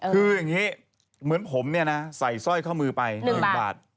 คืออย่างนี้เหมือนผมเนี่ยนะใส่สร้อยข้อมือไป๑บาท